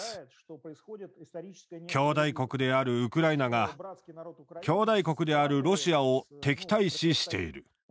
兄弟国であるウクライナが兄弟国であるロシアを敵対視している。